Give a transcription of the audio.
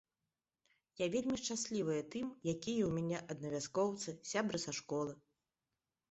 Я вельмі шчаслівая тым, якія ў мяне аднавяскоўцы, сябры са школы.